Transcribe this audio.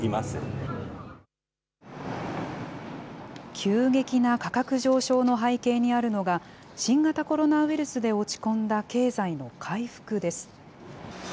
急激な価格上昇の背景にあるのが、新型コロナウイルスで落ち込んだ経済の回復です。